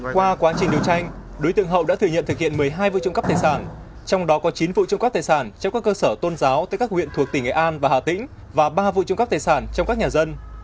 qua quá trình điều tranh đối tượng hậu đã thừa nhận thực hiện một mươi hai vụ trung cấp tài sản trong đó có chín vụ trung cấp tài sản trong các cơ sở tôn giáo tới các huyện thuộc tỉnh nghệ an và hà tĩnh và ba vụ trung cấp tài sản trong các nhà dân